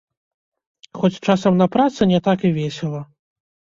Хоць часам на працы не так і весела.